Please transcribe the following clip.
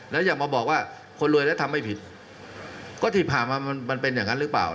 แล้วอย่ามาบอกว่าคนรวยแล้วทำไม่ผิดก็ที่ผ่านมามันเป็นอย่างนั้นหรือเปล่า